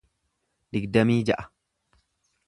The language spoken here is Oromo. digdamii ja'a